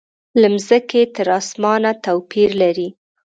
له مځکې تر اسمانه توپیر لري.